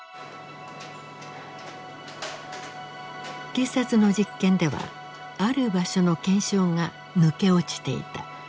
警察の実験ではある場所の検証が抜け落ちていた。